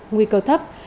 nguy cơ thấp